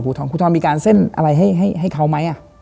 ครูทรมีการเส้นอะไรให้เขาไหม